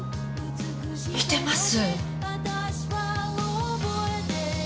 似てます。